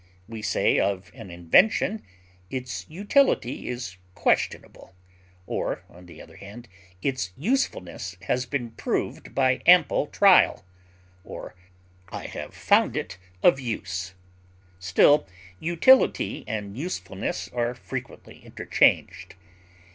We say of an invention, its utility is questionable, or, on the other hand, its usefulness has been proved by ample trial, or I have found it of use; still, utility and usefulness are frequently interchanged.